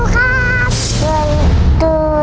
จะตอบถูกครับ